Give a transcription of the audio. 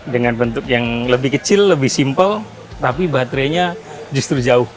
dengan bentuk yang lebih kecil lebih simpel tapi baterainya justru jauh